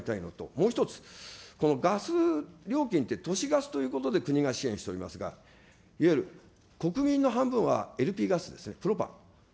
もう一つ、このガス料金って、都市ガスということで、国が支援しておりますが、いわゆる国民の半分はＬＰガスですよね、プロパン。